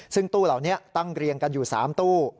ซึ่งตู้เหล่านี้ตั้งเรียงกันอยู่๓ตู้